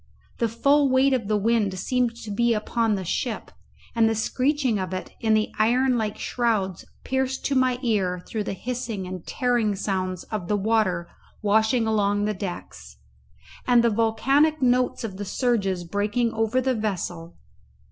The full weight of the wind seemed to be upon the ship, and the screeching of it in the iron like shrouds pierced to my ear through the hissing and tearing sounds of the water washing along the decks, and the volcanic notes of the surges breaking over the vessel.